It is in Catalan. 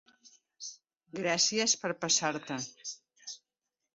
Gràcies per passar-te.